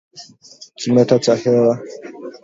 Kimeta cha hewa